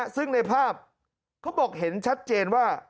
ซึ่งในภาพเขาบอกเห็นชัดเจนว่า